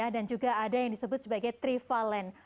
dan juga ada yang disebut sebagai trivalen